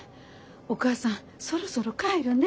お母さんそろそろ帰るね。